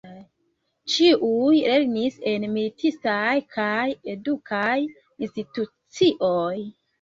Ĉiuj lernis en militistaj kaj edukaj institucioj.